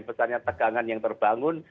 besarnya tegangan yang terbangun